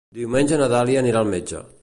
Diumenge na Dàlia anirà al metge.